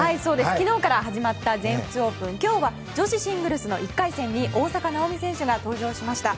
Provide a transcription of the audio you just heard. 昨日から始まった全仏オープン昨日は女子シングルス１回戦に大坂なおみ選手が登場しました。